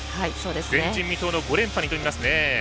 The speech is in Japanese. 前人未到の５連覇に挑みますね。